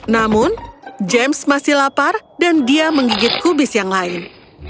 namun james masih lapar dan dia menggigit kubis yang lain